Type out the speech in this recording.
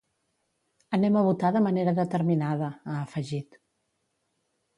Anem a votar de manera determinada, ha afegit.